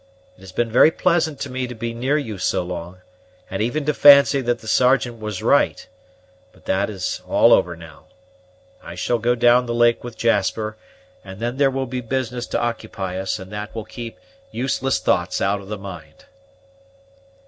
It has been very pleasant to me to be near you so long, and even to fancy that the Sergeant was right; but that is all over now. I shall go down the lake with Jasper, and then there will be business to occupy us, and that will keep useless thoughts out of the mind."